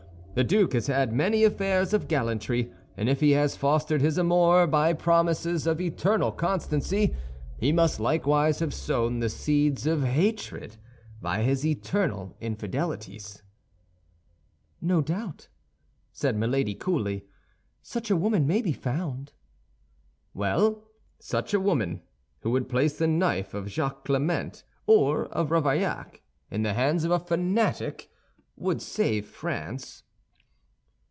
The duke has had many affairs of gallantry; and if he has fostered his amours by promises of eternal constancy, he must likewise have sown the seeds of hatred by his eternal infidelities." "No doubt," said Milady, coolly, "such a woman may be found." "Well, such a woman, who would place the knife of Jacques Clément or of Ravaillac in the hands of a fanatic, would save France."